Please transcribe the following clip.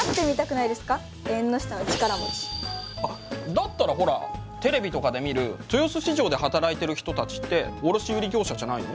だったらほらテレビとかで見る豊洲市場で働いてる人たちって卸売業者じゃないの？